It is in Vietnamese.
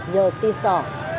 nhờ xin sỏ